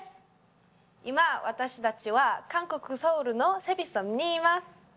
今私たちは韓国・ソウルのセビッソムにいます。